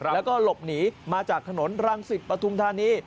แล้วก็หลบหนีมาจากถนนรังสิตปฐุมธานี